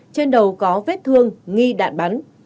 trên đầu có vết thương nghi đạn bắn